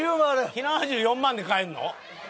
火縄銃４万で買えるの？